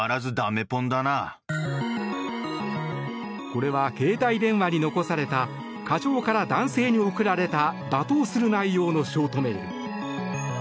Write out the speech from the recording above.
これは携帯電話に残された課長から男性に送られた罵倒する内容のショートメール。